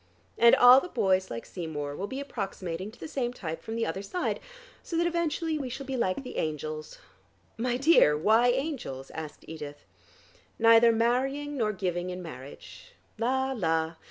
And all the boys like Seymour will be approximating to the same type from the other side, so that eventually we shall be like the angels " "My dear, why angels?" asked Edith. "Neither marrying nor giving in marriage. La, la!